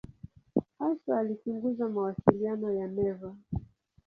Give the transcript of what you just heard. Hasa alichunguza mawasiliano ya neva.